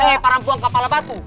eh para perempuan kepala batu